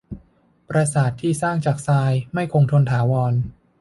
ปราสาทที่สร้างจากทรายไม่คงทนถาวร